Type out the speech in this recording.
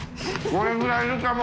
これぐらいいるかも！